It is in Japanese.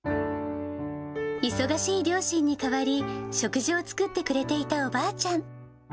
忙しい両親に代わり、食事を作ってくれていたおばあちゃん。